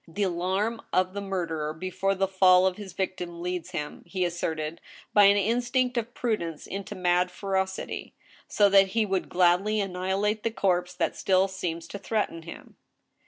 The alarm of the murderer before the fall of his victim leads him, he asserted, by an instinct of prudence into mad ferocity, so that he would gladly annihilate the corpse that still seems to threaten him.